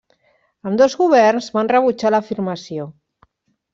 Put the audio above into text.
Ambdós governs van rebutjar l'afirmació.